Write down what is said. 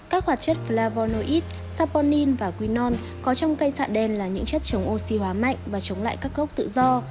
các hoạt chất flavonoid saponin và quinone có trong cây xạ đen là những chất chống oxy hóa mạnh và chống lại các gốc tự do